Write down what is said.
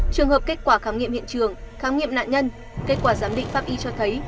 trường hợp kết quả khám nghiệm hiện trường khám nghiệm nạn nhân kết quả giám định pháp y cho thấy